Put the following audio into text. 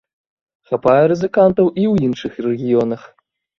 Хапае рызыкантаў і ў іншых рэгіёнах.